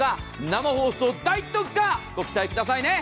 生放送大特価！ご期待くださいね。